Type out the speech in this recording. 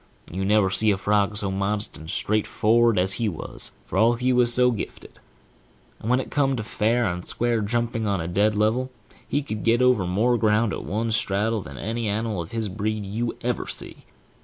You never see a frog so modest and straightfor'ard as he was, for all he was so gifted. And when it came to fair and square jumping on a dead level, he could get over more ground at one straddle than any animal of his breed you ever see.